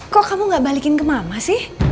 kok kamu gak balikin ke mama sih